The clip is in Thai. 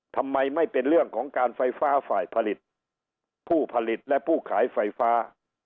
ทำไมไม่เป็นเรื่องของการไฟฟ้าฝ่ายผลิตผู้ผลิตและผู้ขายไฟฟ้า